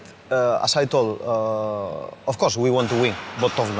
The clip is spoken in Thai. เราเพิ่มเราอยากให้โอกาสให้ของทิศทางเจอกัน